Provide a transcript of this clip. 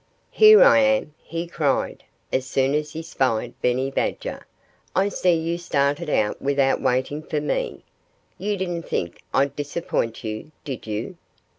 "Here I am!" he cried, as soon as he spied Benny Badger. "I see you started out without waiting for me. You didn't think I'd disappoint you, did you?"